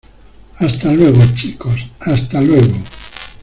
hasta luego, chicos. hasta luego .